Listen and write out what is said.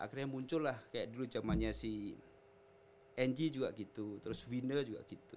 akhirnya muncul lah kayak dulu jamannya si engie juga gitu terus winner juga gitu